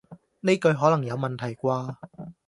呢句可能有問題啩